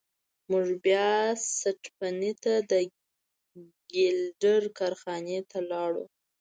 موږ بیا سټپني ته د ګیلډر کارخانې ته لاړو.